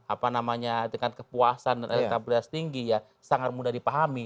apa namanya dengan kepuasan dan elektabilitas tinggi ya sangat mudah dipahami